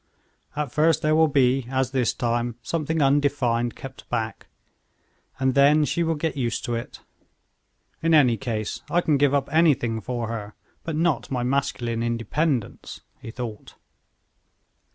"At first there will be, as this time, something undefined kept back, and then she will get used to it. In any case I can give up anything for her, but not my masculine independence," he thought.